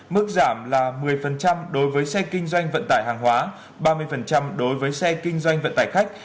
mức giảm là một mươi đối với xe kinh doanh vận tải hàng hóa ba mươi đối với xe kinh doanh vận tải khách